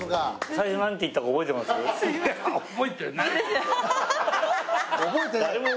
最初なんて言ったか覚えてます？